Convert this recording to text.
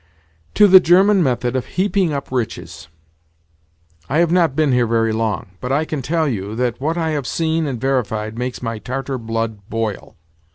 "To the German method of heaping up riches. I have not been here very long, but I can tell you that what I have seen and verified makes my Tartar blood boil.